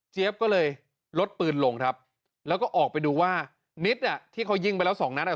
ก็เลยลดปืนลงครับแล้วก็ออกไปดูว่านิดอ่ะที่เขายิงไปแล้วสองนัดอ่ะ